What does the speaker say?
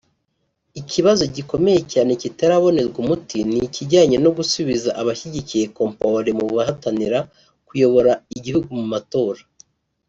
Ikibazo gikomeye cyane kitarabonerwa umuti ni ikijyanye no gusubiza abashyigikiye Compaoré mu bahatanira kuyobora igihugu mu matora